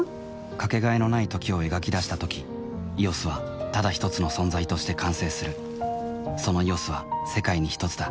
かけがえのない「時」を描き出したとき「ＥＯＳ」はただひとつの存在として完成するその「ＥＯＳ」は世界にひとつだ